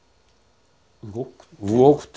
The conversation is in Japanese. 動くとは。